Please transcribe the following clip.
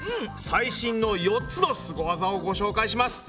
最新の４つのスゴワザをご紹介します。